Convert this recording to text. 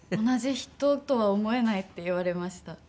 「同じ人とは思えない」って言われました。